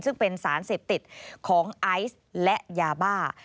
ซึ่งเป็นสารเสพติดของไอซ์และยาบ้า